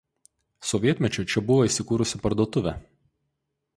Sovietmečiu čia buvo įsikūrusi parduotuvė.